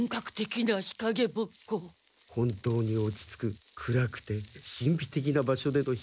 本当に落ち着く暗くて神秘的な場所での日陰ぼっこ。